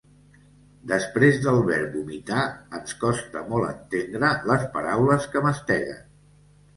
Després del verb vomitar ens costa molt entendre les paraules que masteguen.